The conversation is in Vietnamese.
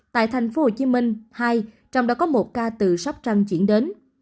tại thành phố hồ chí minh hai trong đó có một ca tử sắp trăm chuyển đến